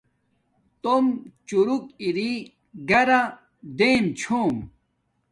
توم چوروک اری گھرا ریم چھوم